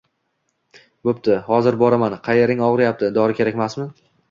Bo‘pti, hozir boraman qayering og‘riyapti, dori kerakmasmi